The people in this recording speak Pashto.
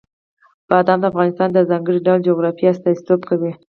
بادام د افغانستان د ځانګړي ډول جغرافیې استازیتوب کوي.